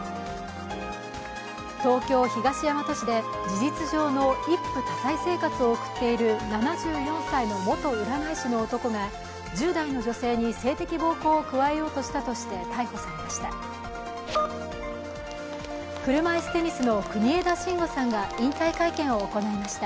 東京・東大和市で事実上の一夫多妻生活を送っている７４歳の元占い師の男が１０代の女性に性的暴行を加えようとしたとして逮捕されました。